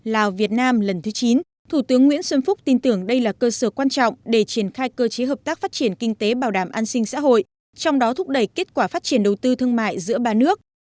lào việt nam lần thứ chín thủ tướng nguyễn xuân phúc tin tưởng đây là cơ sở quan trọng để triển khai cơ chế hợp tác phát triển kinh tế bảo đảm an sinh xã hội trong đó thúc đẩy kết quả phát triển đầu tư thương mại giữa ba nước